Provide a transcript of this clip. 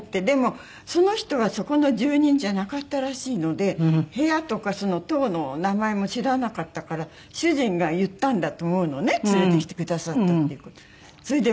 でもその人はそこの住人じゃなかったらしいので部屋とか棟の名前も知らなかったから主人が言ったんだと思うのね連れてきてくださったっていう事は。